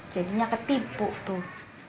jadinya ketipu tuh